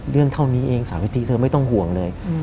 เรื่องเท่านี้เอง๓ิติเธอไม่ต้องห่วงเลย